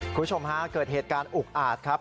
คุณผู้ชมฮะเกิดเหตุการณ์อุกอาจครับ